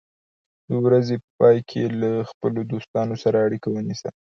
د ورځې په پای کې له خپلو دوستانو سره اړیکه ونیسه.